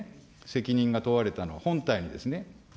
責任が問われたのは、本体にですね。